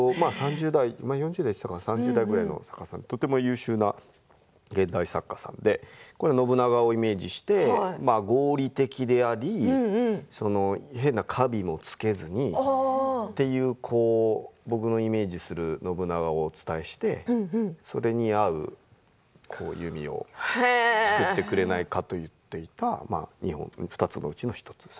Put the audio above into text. ４０代３０代くらいのとても優秀な現代作家さんでこれは信長をイメージして合理的でありへんな華美もつけずにという僕のイメージする信長をお伝えしてそれに合う弓を作ってくれないかと言っていた２つのうちの１つです。